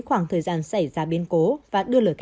khoảng thời gian xảy ra biến cố